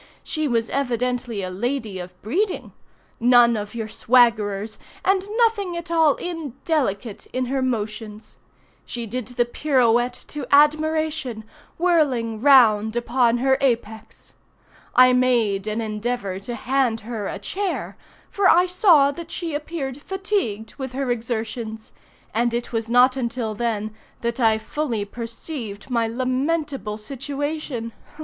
She was evidently a lady of breeding. None of your swaggerers, and nothing at all indelicate in her motions. She did the pirouette to admiration—whirling round upon her apex. I made an endeavor to hand her a chair, for I saw that she appeared fatigued with her exertions—and it was not until then that I fully perceived my lamentable situation.